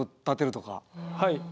はい。